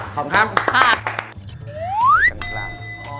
ขอบคุณครับ